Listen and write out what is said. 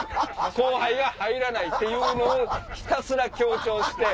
後輩が入らないっていうのをひたすら強調して。